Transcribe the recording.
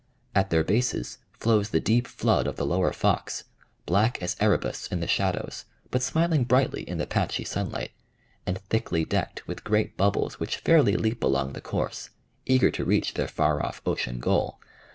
At their bases flows the deep flood of the Lower Fox, black as Erebus in the shadows, but smiling brightly in the patchy sunlight, and thickly decked with great bubbles which fairly leap along the course, eager to reach their far off ocean goal.